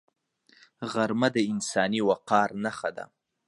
غرمه د انساني وقار نښه ده